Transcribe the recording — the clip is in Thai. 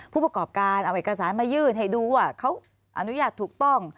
ผู้ประกอบการเอาเอกสารมายื่นให้ดูว่าเขาอนุญาตถูกต้อง